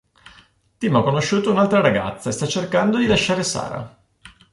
Tim ha conosciuto un'altra ragazza e sta cercando di lasciare Sara.